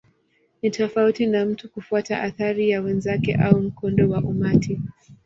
Ni tofauti na mtu kufuata athari ya wenzake au mkondo wa umati.